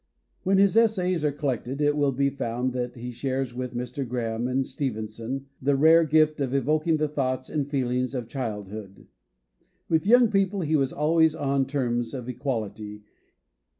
When his essays are collected it will be found that he shares with Mr. Grahame and Stevenson the rare gift of evoking the thoughts and feelings of childhood. With young people he was always on terms of equality.